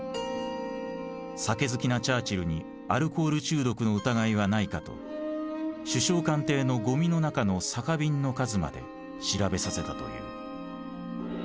酒好きなチャーチルにアルコール中毒の疑いはないかと首相官邸のごみの中の酒瓶の数まで調べさせたという。